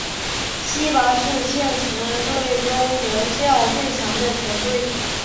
希拔是现时队中留效最长的球员。